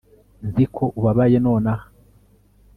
nzi ko ubabaye nonaha